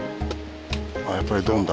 やっぱりドンだ。